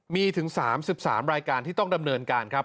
มีถึง๓๓รายการที่ต้องดำเนินการครับ